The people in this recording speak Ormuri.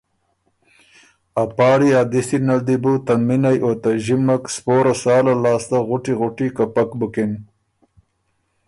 ا پاړی ا دِستي نل دی بُو ته مِنئ او ته ݫِمک سپوره ساله لاسته غُټی غُټی کپک بُکِن